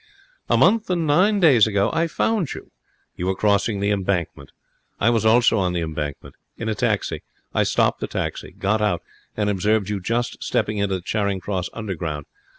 A month and nine days ago I found you. You were crossing the Embankment. I was also on the Embankment. In a taxi. I stopped the taxi, got out, and observed you just stepping into the Charing Cross Underground.